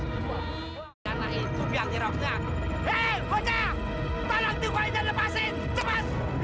hei koca tolong dikawin dan lepasin cepat